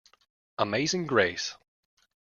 Amazing Grace.